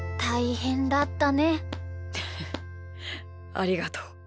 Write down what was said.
ありがとう。